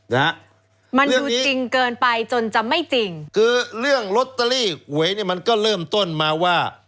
นะฮะมันดูจริงเกินไปจนจะไม่จริงคือเรื่องลอตเตอรี่หวยเนี้ยมันก็เริ่มต้นมาว่า